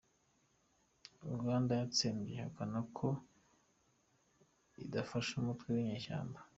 Uganda yatsembye ihakana ko idafasha umutwe winyeshyamba